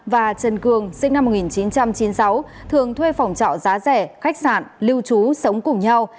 và trần cường sinh năm một nghìn chín trăm chín mươi sáu thường thuê phòng trọ giá rẻ khách sạn lưu trú sống cùng nhau